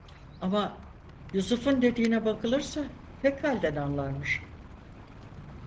Ama Yusuf'un dediğine bakılırsa pek halden anlarmış.